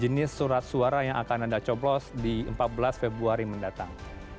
jenis surat suara yang akan anda coblos di empat belas februari mendatang